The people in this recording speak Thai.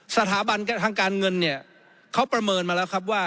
สถาบันทางการเงินเนี่ยเขาประเมินมาแล้วครับว่า